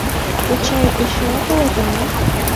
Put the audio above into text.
— Кочай, тый чыла палет, аман?